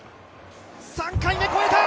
３回目、越えた！